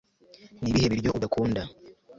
ni ibihe biryo udakunda